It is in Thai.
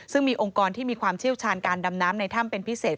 ซึ่งมีองค์กรที่มีความเชี่ยวชาญการดำน้ำในถ้ำเป็นพิเศษ